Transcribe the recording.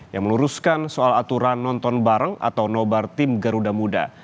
yang meluruskan soal aturan nonton bareng atau nobar tim garuda muda